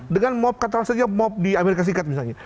dengan mob katakan saja mop di amerika serikat misalnya